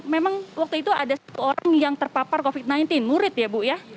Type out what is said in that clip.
memang waktu itu ada satu orang yang terpapar covid sembilan belas murid ya bu ya